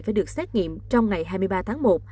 phải được xét nghiệm trong ngày hai mươi ba tháng một